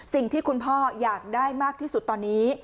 สิ่งที่คุณพ่ออยากได้มากที่สุดตอนนี้